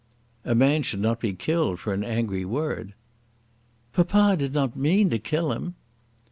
"A man should not be killed for an angry word." "Papa did not mean to kill him!"